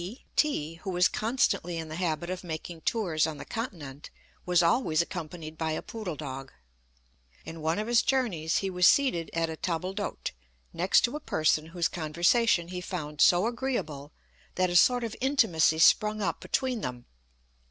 B t, who was constantly in the habit of making tours on the Continent, was always accompanied by a poodle dog. In one of his journeys he was seated at a table d'hôte next to a person whose conversation he found so agreeable, that a sort of intimacy sprung up between them.